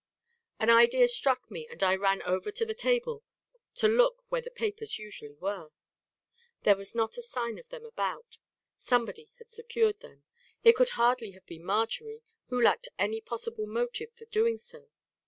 An idea struck me and I ran over to the table to look where the papers usually were. There was not a sign of them about. Somebody had secured them; it could hardly have been Marjory who lacked any possible motive for doing so.